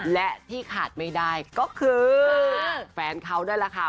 และที่ขาดไม่ได้ก็คือแฟนเค้าด้วยล่ะค่ะ